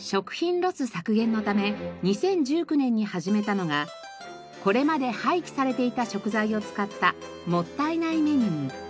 食品ロス削減のため２０１９年に始めたのがこれまで廃棄されていた食材を使ったもったいないメニュー。